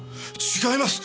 違います！